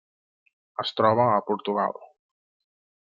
Es troba a Portugal.